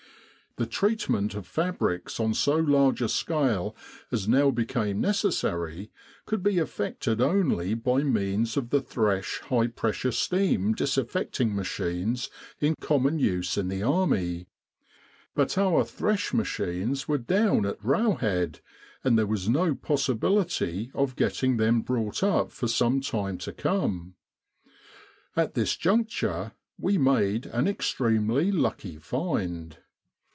The treatment of 144 EL ARISH. CAMELS WITH FANTASSES (Water Tanks). El Arish and After fabrics on so large a scale as now became necessary could be effected only by means of the Thresh high pressure steam disinfecting machines in common use in the army. But our Thresh machines were down at railhead, and there was no possibility of getting them brought up for some time to come. At this juncture we made an extremely lucky find.